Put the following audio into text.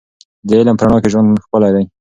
د علم په رڼا کې ژوند ښکلی دی.